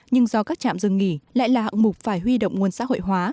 nhưng do các trạm dừng nghỉ lại là hạng mục phải huy động nguồn xã hội hóa